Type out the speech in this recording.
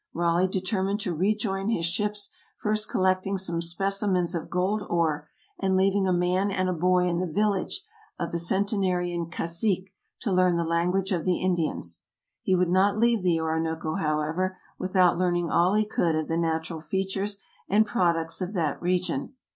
Raleigh determined to rejoin his ships, first collecting some specimens of gold ore, and leaving a man and a boy in the village of the centenarian cazique to learn the language of the Indians. He would not leave the Orinoco, however, without learning all he could of the natural features and products of that re gion.